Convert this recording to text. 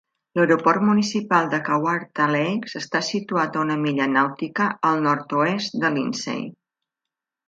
L'aeroport municipal de Kawartha Lakes està situat a una milla nàutica al nord-oest de Lindsay.